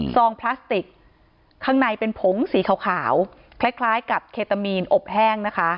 ซองพลาสติกข้างในเป็นผงสีขาวคล้ายกับเคตามีนอบแห้งนะคะ